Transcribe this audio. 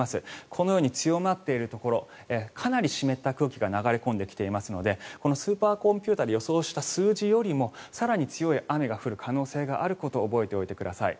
このように強まっているところかなり湿った空気が流れ込んできていますのでこのスーパーコンピューターで予想した数字よりも更に強い雨が降る可能性があることを覚えておいてください。